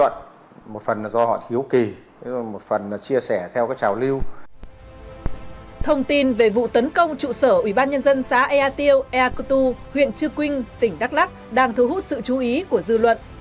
thông tin về vụ tấn công trụ sở ủy ban nhân dân xã ea tiêu ea cơ tu huyện chư quynh tỉnh đắk lắk đang thú hút sự chú ý của dư luận